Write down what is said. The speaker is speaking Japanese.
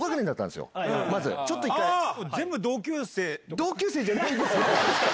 同級生じゃないんですよ。